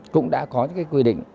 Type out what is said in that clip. cũng đã có cái quy định